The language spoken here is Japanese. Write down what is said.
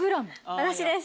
私です。